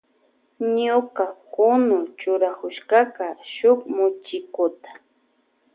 Ñuka kunu churakushkakan shuk muchikuta.